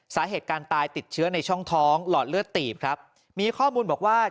สาเหตุการตายติดเชื้อในช่องท้องหลอดเลือดตีบครับมีข้อมูลบอกว่า